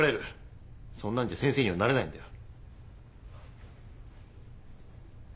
そんなんじゃ先生にはなれないんだよ。